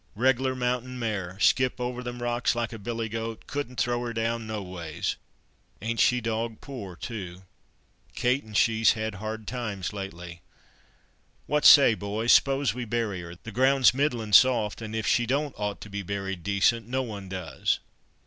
"Reg'lar mountain mare, skip over them rocks like a billy goat; couldn't throw her down no ways. Ain't she dog poor, too? Kate and she's had hard times lately. What say, boys, s'pose we bury her? the ground's middlin' soft, and if she don't ought to be buried decent, no one does."